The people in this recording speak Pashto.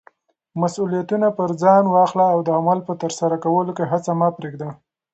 مسولیتونه پر ځان واخله او د عمل په ترسره کولو کې هڅه مه پریږده.